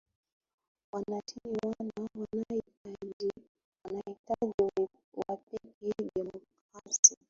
wananchi wana wanahitaji wapewe demokrasi